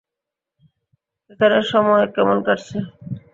এখানে সময় কেমন কাটছে?